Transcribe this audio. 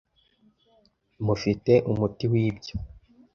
Mufite umuti wibyo.